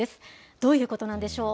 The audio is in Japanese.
どういうことなんでしょう。